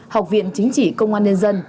học viện chính trị công an nhân dân